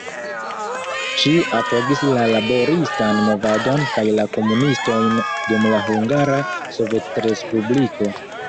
Ŝi apogis la laboristan movadon kaj la komunistojn dum la Hungara Sovetrespubliko.